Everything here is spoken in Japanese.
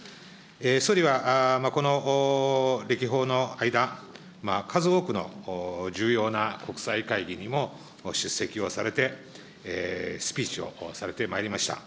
総理はこの歴訪の間、数多くの重要な国際会議にも出席をされて、スピーチをされてまいりました。